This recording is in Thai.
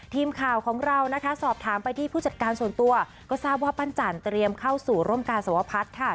ทีมข่าวของเรานะคะสอบถามไปที่ผู้จัดการส่วนตัวก็ทราบว่าปั้นจันเตรียมเข้าสู่ร่มกาสวพัฒน์ค่ะ